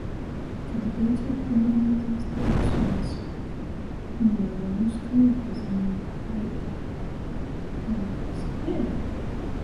Kod beidzūt pi mane atīs draugs Juoņs? Nūmainu nūskaņu i paziņoju: "Reit!" Jākubs: Jē!